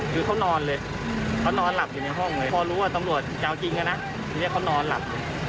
คือเขานอนเลยเขานอนหลับอยู่ในห้องเลยพอรู้ว่าตำรวจจะเอาจริงนะทีนี้เขานอนหลับเลย